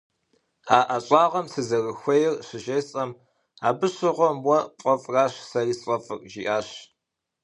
А ӀэщӀагъэм сызэрыхуейр щыжесӀэм, «абы щыгъуэм уэ пфӀэфӀращ сэри сфӀэфӀыр» жиӀащ.